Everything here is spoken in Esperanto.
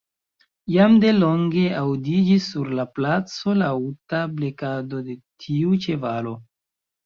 Jam de longe aŭdiĝis sur la placo laŭta blekado de tiu ĉevalo.